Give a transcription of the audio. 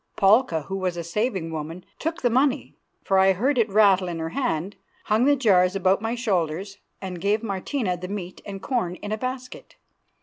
Palka, who was a saving woman, took the money, for I heard it rattle in her hand, hung the jars about my shoulders, and gave Martina the meat and corn in a basket.